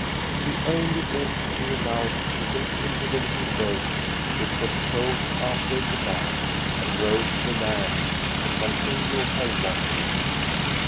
She only begged to be allowed to get into the little boat, which was towed after the barge, and row to the land, to continue her wandering.